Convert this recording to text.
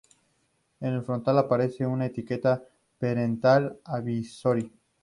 En el frontal aparece una etiqueta de Parental Advisory.